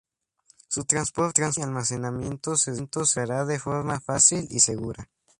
Su transporte y almacenamiento se realizará de forma fácil y segura.